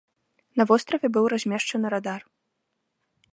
На востраве быў размешчаны радар.